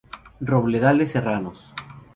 Robledales serranos.